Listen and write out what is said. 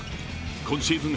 今シーズン